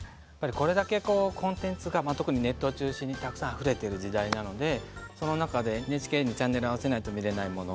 これだけコンテンツが特にネットを中心にたくさん、あふれてる時代なのでその中でＮＨＫにチャンネル合わせないと見れないもの